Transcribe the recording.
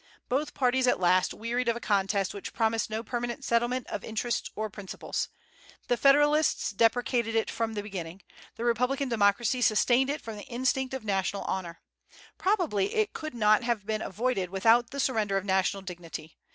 Both parties at last wearied of a contest which promised no permanent settlement of interests or principles. The Federalists deprecated it from the beginning. The Republican Democracy sustained it from the instinct of national honor. Probably it could not have been avoided without the surrender of national dignity.